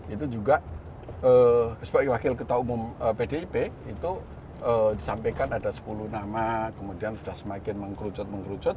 itu juga sebagai wakil ketua umum pdip itu disampaikan ada sepuluh nama kemudian sudah semakin mengkerucut mengkerucut